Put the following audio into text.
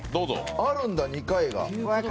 あるんだ、２回が。